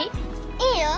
いいよ。